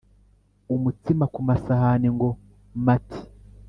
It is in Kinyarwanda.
Umutsima ku masahani ngo mati